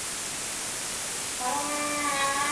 ويښ زلميانو د ملي غورځنګ لپاره هلې ځلې کولې.